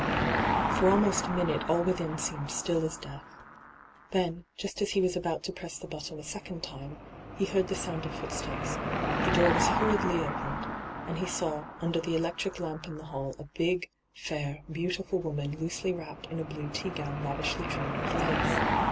For almost a minute all within seemed still as death. Then, just as he was about to hyGoogIc 2i8 ENTRAPPED press the button a Beoond time, he heard the sound of footsteps, the door was hurriedly opened, and he saw, under the electric lamp in the hall, a big, &ir, beautiful woman loosely wrapped in a blue teagown lavishly trimmed with lace.